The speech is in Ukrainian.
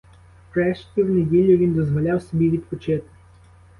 Врешті в неділю він дозволяв собі відпочити.